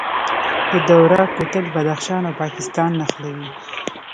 د دوراه کوتل بدخشان او پاکستان نښلوي